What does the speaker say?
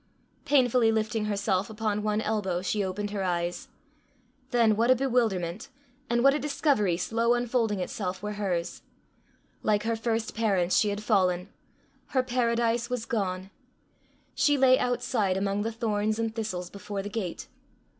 Painfully lifting herself upon one elbow, she opened her eyes. Then what a bewilderment, and what a discovery, slow unfolding itself, were hers! Like her first parents she had fallen; her paradise was gone; she lay outside among the thorns and thistles before the gate.